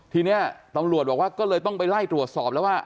ทีนี้ตำรวจบอกว่าก็เลยต้องไปไล่ตรวจสอบแล้วว่า